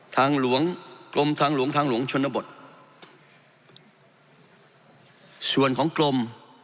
ทางหลวงกลมทางหลวงทางหลวงชนบทส่วนของกรม